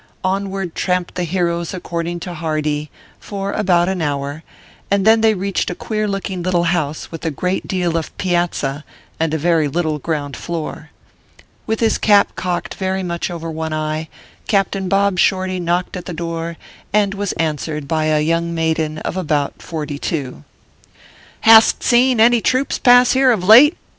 Onward tramped the heroes according to Hardee, for about an hour, and then they reached a queer look ing little house with a great deal of piazza and a very little ground floor. With his cap cocked very much over one eye, Captain Bob Shorty knocked at the door, and was answered by a young maiden of about forty two. " Hast seen any troops pass here of late